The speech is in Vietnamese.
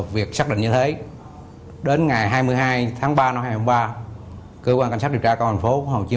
việc xác định như thế đến ngày hai mươi hai tháng ba năm hai nghìn hai mươi ba cơ quan cảnh sát điều tra cao thành phố hồ chí